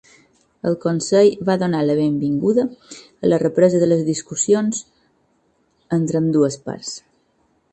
El Consell va donar la benvinguda a la represa de les discussions entre ambdues parts.